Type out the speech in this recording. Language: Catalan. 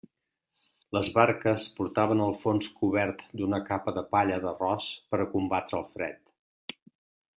Les barques portaven el fons cobert d'una capa de palla d'arròs per a combatre el fred.